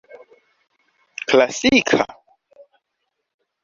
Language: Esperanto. klasika